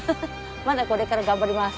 まだこれから頑張ります。